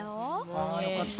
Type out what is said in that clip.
あよかった。